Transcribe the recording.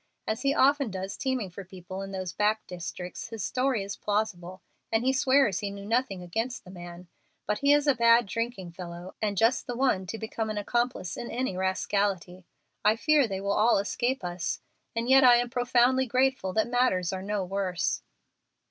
As he often does teaming for people in those back districts his story is plausible; and he swears he knew nothing against the man. But he is a bad drinking fellow, and just the one to become an accomplice in any rascality. I fear they will all escape us, and yet I am profoundly grateful that matters are no worse."